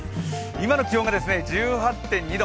今の気温が１８．２度。